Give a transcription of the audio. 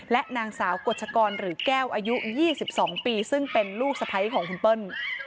และนางสาวกฎชกรหรือแก้วอายุ๒๒ปีซึ่งเป็นลูกสะพ้ายของคุณเปิ้ล